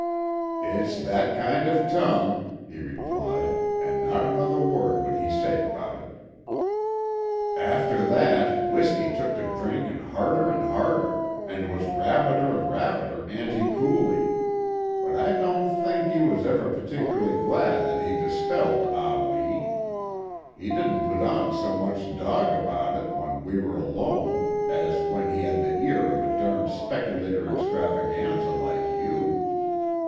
"It's that kind of tongue," he replied, and not another word would he say about it. "After that W'isky took to drinkin' harder an' harder, and was rabider an' rabider anti coolie, but I don't think 'e was ever particularly glad that 'e dispelled Ah Wee. He didn't put on so much dog about it w'en we were alone as w'en he had the ear of a derned Spectacular Extravaganza like you.